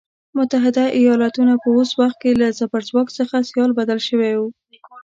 متحده ایالتونه په اوس وخت کې له زبرځواک په سیال بدل شوی.